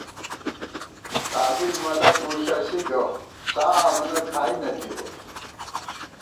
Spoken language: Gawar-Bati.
قابِل ملَک وُݪَسی ، گہ سا امَنہ کھائی نہ تِبہ